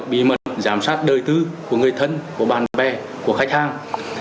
bí mật giám sát đời tư của người thân của bạn bè của khách hàng